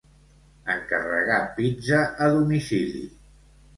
Encarregar pizza a domicili.